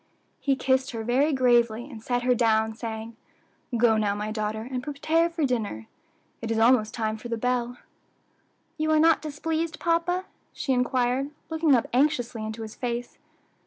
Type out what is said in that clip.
He kissed her very gravely, and set her down, saying, "Go now, my daughter, and prepare for dinner; it is almost time for the bell." "You are not displeased, papa?" she inquired, looking up anxiously into his face.